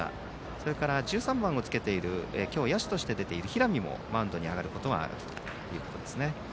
それから、１３番をつけている今日は野手として出ている平見もマウンドに上がることがあるということですね。